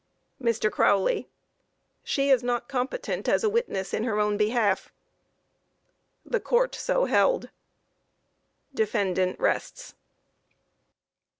MR. CROWLEY: She is not competent as a witness in her own behalf. [The Court so held.] _Defendant rests.